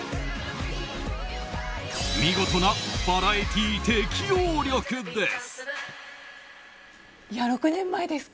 見事なバラエティー適応力です！